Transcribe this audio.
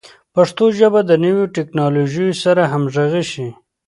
پښتو ژبه د نویو ټکنالوژیو سره همغږي شي.